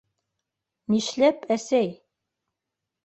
Нишләп, әсәй?